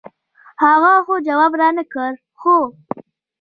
هغه خو جواب رانۀ کړۀ خو